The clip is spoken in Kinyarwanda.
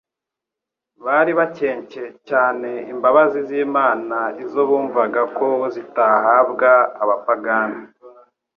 Bari bakencye cyane imbabazi z'Imana izo bumvaga ko zitahabwa abapagani.